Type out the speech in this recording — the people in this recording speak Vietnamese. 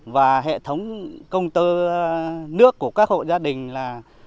và hệ thống công tơ nước của các hộ gia đình là